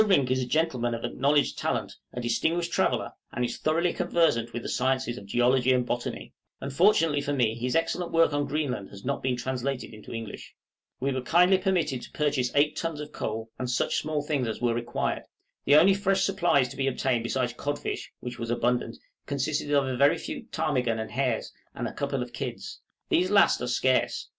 Rink is a gentleman of acknowledged talent, a distinguished traveller, and is thoroughly conversant with the sciences of geology and botany. {FREDERICKSHAAB, DAVIS' STRAITS.} Unfortunately for me his excellent work on Greenland has not been translated into English. We were kindly permitted to purchase eight tons of coals, and such small things as were required; the only fresh supplies to be obtained besides codfish, which was abundant, consisted of a very few ptarmigan and hares, and a couple of kids; these last are scarce.